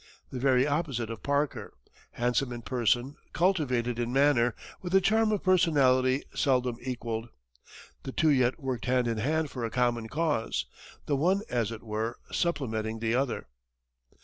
The very opposite of Parker, handsome in person, cultivated in manner, with a charm of personality seldom equalled, the two yet worked hand in hand for a common cause, the one, as it were, supplementing the other.